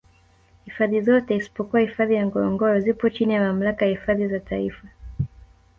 hifadhi zote isipokuwa hifadhi ya ngorongoro zipo chini ya Mamlaka ya hifadhi za taifa